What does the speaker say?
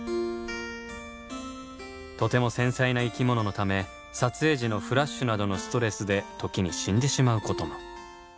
とても繊細な生き物のため撮影時のフラッシュなどのストレスで時に死んでしまうことも。